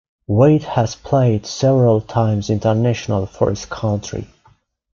Weight has played several times internationally for his country.